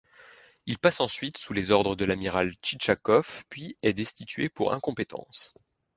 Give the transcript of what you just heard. Il passe ensuite sous les ordres de l'amiral Tchitchagov puis est destitué pour incompétence.